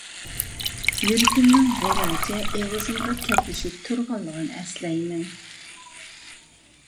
يۈرىكىمنىڭ ھېلىغىچە ئېغىزىمغا كەپلىشىپ تۇرغانلىقىنى ئەسلەيمەن.